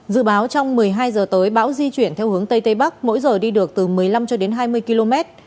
dự báo trong một mươi hai giờ tới bão di chuyển theo hướng tây tây bắc mỗi giờ đi được từ một mươi năm cho đến hai mươi km